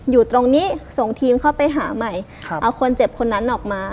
อยู่ตรงนี้ส่งทีมเข้าไปหาใหม่เอาคนเจ็บคนนั้นออกมา